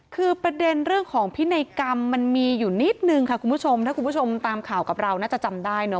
คือประเด็นเรื่องของพินัยกรรมมันมีอยู่นิดนึงค่ะคุณผู้ชมถ้าคุณผู้ชมตามข่าวกับเราน่าจะจำได้เนอ